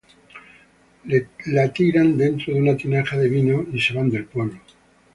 La tiran dentro de una tinaja de vino y se van del pueblo.